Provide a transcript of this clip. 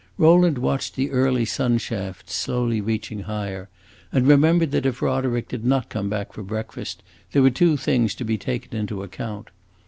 Rowland watched the early sun shafts slowly reaching higher, and remembered that if Roderick did not come back to breakfast, there were two things to be taken into account.